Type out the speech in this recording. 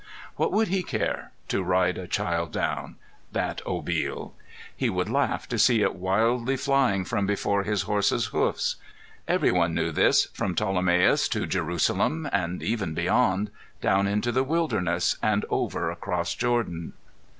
What would he care to ride a child down that Obil? He would laugh to see it wildly flying from before his horse's hoofs. Every one knew this, from Ptolemais to Jerusalem and even beyond, down into the wilderness, and over across Jordan.